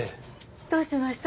どうしました？